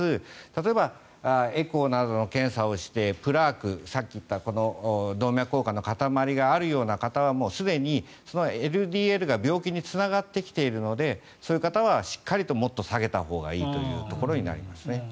例えば、エコーなどの検査をしてプラーク、さっき言った動脈硬化の塊がある方はすでにそのＬＤＬが病気につながってきているのでそういう方はしっかりともっと下げたほうがいいということになりますね。